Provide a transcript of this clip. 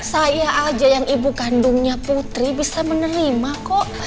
saya aja yang ibu kandungnya putri bisa menerima kok